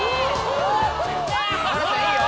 七菜ちゃんいいよ！